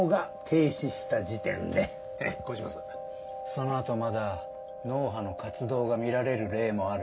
そのあとまだ脳波の活動が見られる例もある。